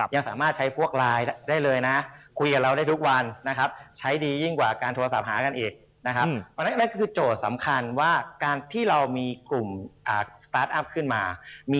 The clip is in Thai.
ยังสามารถใช้พวกไลน์ได้เลยนะคุยกับเราได้ทุกวันนะครับใช้ดียิ่งกว่าการโทรศัพท์หากันอีกนะครับ